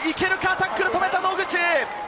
タックルを止めた野口。